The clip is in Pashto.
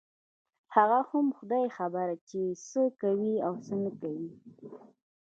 هغه هم خداى خبر چې څه کوي او څه نه کوي.